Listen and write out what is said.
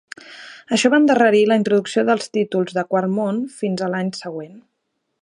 Això va endarrerir la introducció dels títols del Quart món fins a l'any següent.